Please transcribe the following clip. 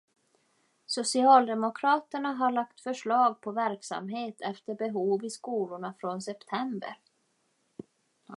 Socialdemokraterna har lagt förslag på verksamhet efter behov i skolorna från september.